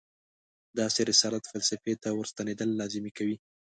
داسې رسالت فلسفې ته ورستنېدل لازمي کوي.